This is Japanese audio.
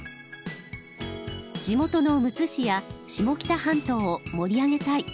地元のむつ市や下北半島を盛り上げたい。